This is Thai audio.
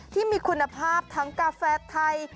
ที่มีคุณภาพทั้งกาแฟไทย